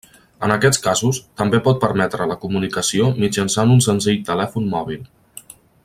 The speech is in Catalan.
En aquests casos, també pot permetre la comunicació mitjançant un senzill telèfon mòbil.